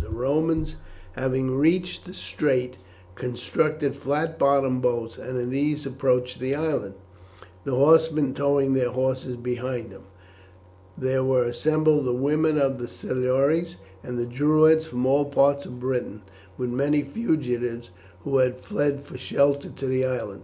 The Romans having reached the strait, constructed flat bottomed boats, and in these approached the island, the horsemen towing their horses behind them. There were assembled the women of the Silures and the Druids from all parts of Britain, with many fugitives who had fled for shelter to the island.